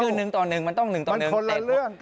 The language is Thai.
แค่นึงต่อนึงมันต้องนึงต่อนึง